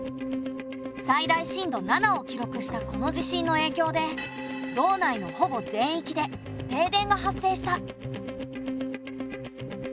最大震度７を記録したこの地震のえいきょうで道内のほぼ全域で停電が発生した。